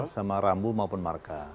sama rambu maupun marka